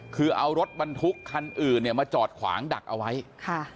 คือเอารถบรรทุกคันอื่นเนี่ยมาจอดขวางดักเอาไว้ค่ะ